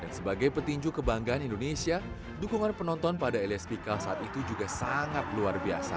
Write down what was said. dan sebagai petinju kebanggaan indonesia dukungan penonton pada elias pikal saat itu juga sangat luar biasa